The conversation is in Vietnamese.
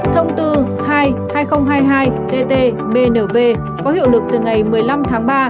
thông tư hai hai nghìn hai mươi hai tt bnv có hiệu lực từ ngày một mươi năm tháng ba